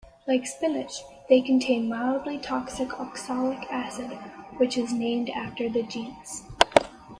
Like spinach, they contain mildly toxic oxalic acid, which is named after the genus.